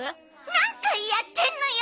何回やってるのよ！